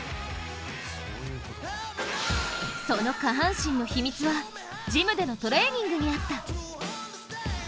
その下半身の秘密はジムでのトレーニングにあった。